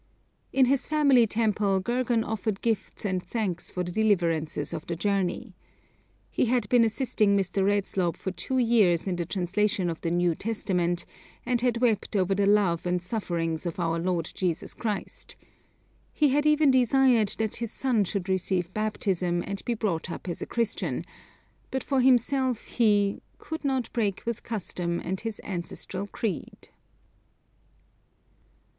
In his family temple Gergan offered gifts and thanks for the deliverances of the journey. He had been assisting Mr. Redslob for two years in the translation of the New Testament, and had wept over the love and sufferings of our Lord Jesus Christ. He had even desired that his son should receive baptism and be brought up as a Christian, but for himself he 'could not break with custom and his ancestral creed.'